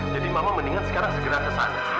jadi mama mendingan sekarang segera kesana